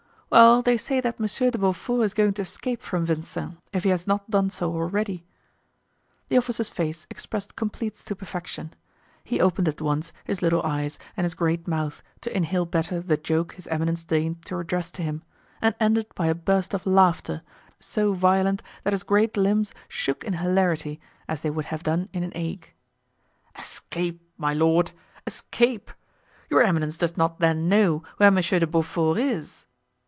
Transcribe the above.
"Well, they say that Monsieur de Beaufort is going to escape from Vincennes, if he has not done so already." The officer's face expressed complete stupefaction. He opened at once his little eyes and his great mouth, to inhale better the joke his eminence deigned to address to him, and ended by a burst of laughter, so violent that his great limbs shook in hilarity as they would have done in an ague. "Escape! my lord—escape! Your eminence does not then know where Monsieur de Beaufort is?"